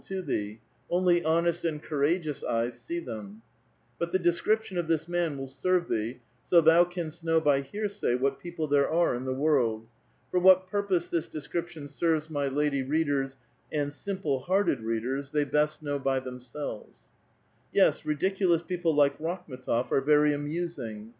291 to thee ; only honest and courageous e^'es see them ; but the description of this man will serve thee, so thou canst know by hearsay what people there are in the world. For what purpose this description serves my lady readers and simple hearted readers, they best know by themselves. Yes, ridiculous people like Rakhm^tof are very amusing.